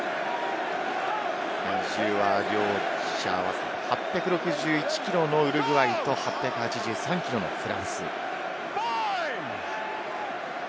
体重は両者合わせて８６１キロのウルグアイと８８３キロのフランス。